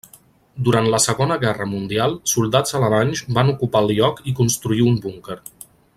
Durant la Segona Guerra Mundial soldats alemanys van ocupar el lloc i construir un búnquer.